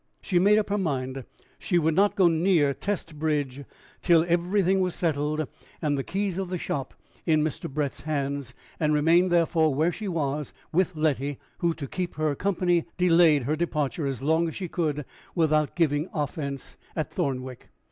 She made up her mind that she would not go near Testbridge till everything was settled, and the keys of the shop in Mr. Brett's hands; and remained, therefore, where she was with Letty, who to keep her company delayed her departure as long as she could without giving offense at Thornwick.